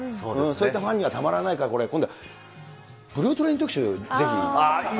そういったファンにはたまらないから、今度、ブルートレイン特集、ぜひ。